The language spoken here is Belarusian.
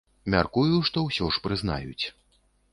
Мяркую, што ўсё ж прызнаюць.